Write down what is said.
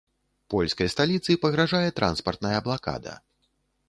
Польскай сталіцы пагражае транспартная блакада.